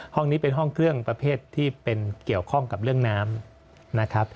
ห้องนี้เป็นห้องเครื่องประเภทที่เป็นเกี่ยวข้องกับเรื่องน้ำนะครับ